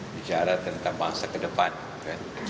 bicara tentang bangsa ke depan